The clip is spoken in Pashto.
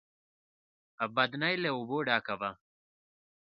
بدنۍ له اوبو ډکه وه.